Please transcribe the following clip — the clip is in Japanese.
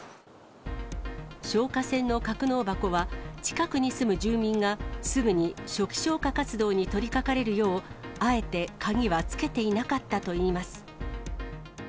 消火栓の格納箱は、近くに住む住民がすぐに初期消火活動に取りかかれるよう、あえて鍵はつけていなかったといいます。